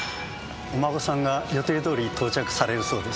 お孫さんが予定どおり到着されるそうです。